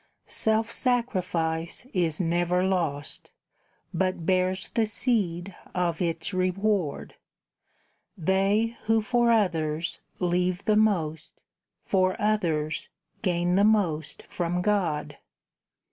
Self sacrifice is never lost, But bears the seed of its reward; They who for others leave the most, For others gain the most from God.